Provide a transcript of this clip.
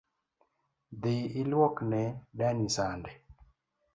Dhi ilwuok ne dani sande